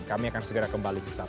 kami akan segera kembali ke saat lain